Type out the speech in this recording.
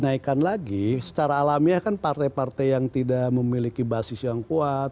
nah secara alamiah kan partai partai yang tidak memiliki basis yang kuat